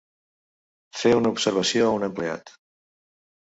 Fer una observació a un empleat.